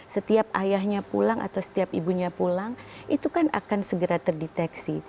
setiap ayahnya pulang atau setiap ibunya pulang itu kan akan segera terdeteksi